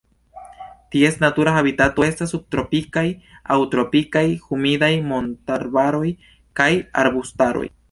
Ties natura habitato estas subtropikaj aŭ tropikaj humidaj montarbaroj kaj arbustaroj.